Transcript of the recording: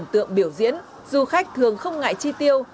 biểu tượng biểu diễn du khách thường không ngại chi tiêu